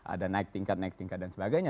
ada naik tingkat naik tingkat dan sebagainya